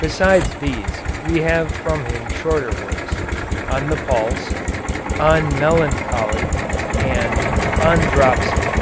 Besides these, we have from him shorter works, "On the Pulse," "On Melancholy," and "On Dropsy."